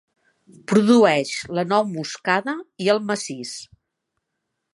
Produeix la nou moscada i el macís.